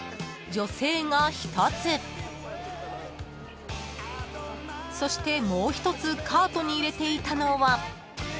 ［そしてもう１つカートに入れていたのは］